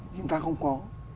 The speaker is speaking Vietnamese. chúng ta không có